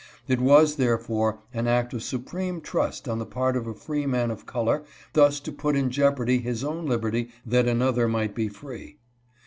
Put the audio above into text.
It was therefore an act of supreme trust on the part of a freeman of color thus to put in jeopardy his own liberty that another might be free.